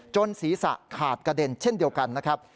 ศีรษะขาดกระเด็นเช่นเดียวกันนะครับ